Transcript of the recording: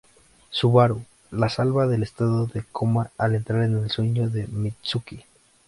Subaru la salva del estado de coma al entrar en el sueño de Mitsuki.